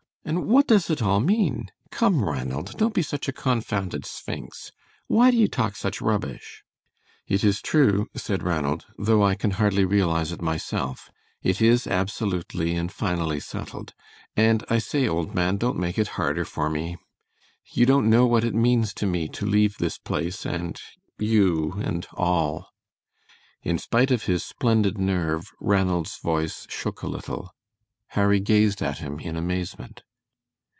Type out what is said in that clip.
And what does it all mean? Come, Ranald, don't be such a confounded sphynx! Why do you talk such rubbish?" "It is true," said Ranald, "though I can hardly realize it myself; it is absolutely and finally settled; and I say, old man, don't make it harder for me. You don't know what it means to me to leave this place, and you, and all!" In spite of his splendid nerve Ranald's voice shook a little. Harry gazed at him in amazement.